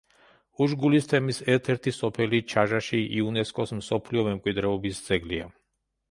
უშგულის თემის ერთ-ერთი სოფელი, ჩაჟაში, იუნესკოს მსოფლიო მემკვიდრეობის ძეგლია.